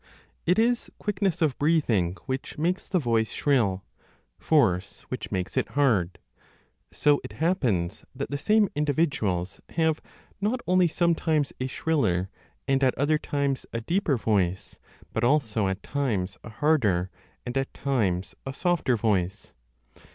It is quickness of breathing w r hich makes the voice shrill, force which makes it hard. So it happens that the same individuals have not only sometimes a shriller and at other times a deeper voice, but also at times a harder and at times a softer voice.